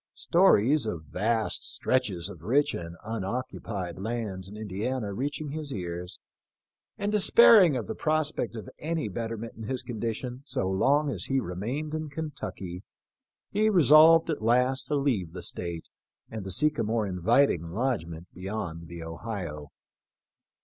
Stories of vast stretches of rich and unoccupied lands in Indiana reaching his ears, and despairing of THE LIFE OF LINCOLN. 19 the prospect of any betterment in his condition so long as he remained in Kentucky, he resolved, at last, to leave the State and seek a more inviting lodgment beyond the Ohio.